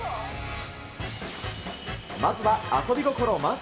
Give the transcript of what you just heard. まずは遊び心満載！